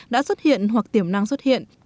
đã xuất hiện hoặc tiềm năng xuất hiện